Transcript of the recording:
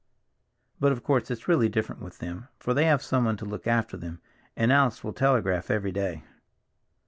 But, of course, it's really different with them, for they have someone to look after them, and Alice will telegraph every day."